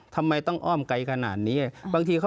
ทำไมต้องอ้อมไกลขนาดนี้